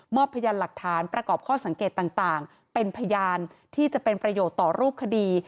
พยานหลักฐานประกอบข้อสังเกตต่างเป็นพยานที่จะเป็นประโยชน์ต่อรูปคดี